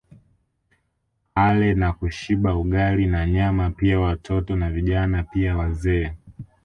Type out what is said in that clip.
Ale na kushiba Ugali na Nyama pia watoto na Vijana pia wazee